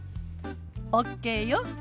ＯＫよ。